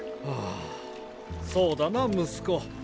はあそうだな息子。